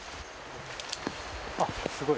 あっ、すごい。